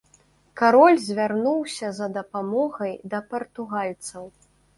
Кароль звярнуўся за дапамогай да партугальцаў.